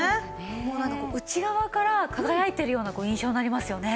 もうなんかこう内側から輝いてるような印象になりますよね。